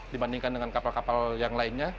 dibandingkan kapal kapal yang lain